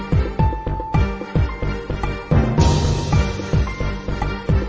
สมมุติทั้งตลอดมาแล้วทำไมถึง